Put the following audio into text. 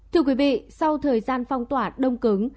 thưa quý vị sau thời gian phong tỏa đông cứng